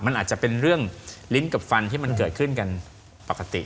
มันอาจจะเป็นเรื่องลิ้นกับฟันที่มันเกิดขึ้นกันปกติ